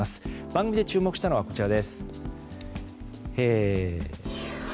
番組で注目したのはこちら。